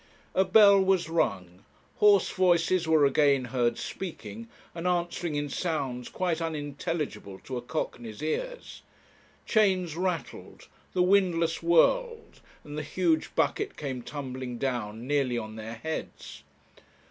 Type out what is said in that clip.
A bell was rung; hoarse voices were again heard speaking and answering in sounds quite unintelligible to a Cockney's ears; chains rattled, the windlass whirled, and the huge bucket came tumbling down, nearly on their heads.